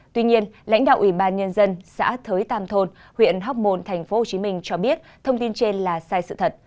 tuy nhiên lãnh đạo ủy ban nhân dân xã thới tam thôn huyện hóc môn tp hcm cho biết thông tin trên là sai sự thật